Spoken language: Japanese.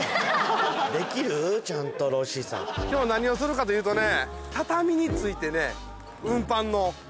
今日何をするかというとね。